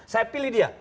saya pilih dia